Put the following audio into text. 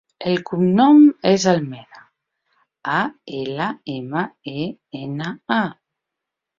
El cognom és Almena: a, ela, ema, e, ena, a.